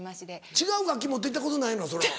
違う楽器持って行ったことないの？